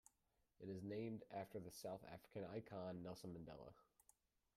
It is named after the South African icon, Nelson Mandela.